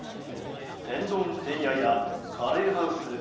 天丼てんややカレーハウスＣｏＣｏ壱